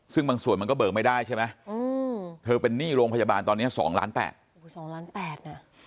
ซึ่งบางส่วนมันก็เบิกไม่ได้ใช่ไหมเธอเป็นหนี้โรงพยาบาลตอนนี้๒๘๐๐๐๐๐บาท